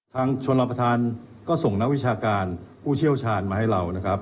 ทางชวนรอบประธานก็ส่งนักวิชาการผู้เชี่ยวชาญมาให้เรา